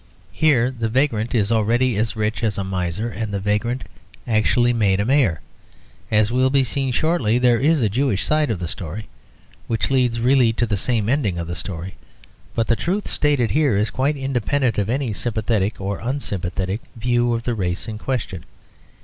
Here the vagrant is already as rich as a miser and the vagrant is actually made a mayor. As will be seen shortly, there is a Jewish side of the story which leads really to the same ending of the story; but the truth stated here is quite independent of any sympathetic or unsympathetic view of the race in question.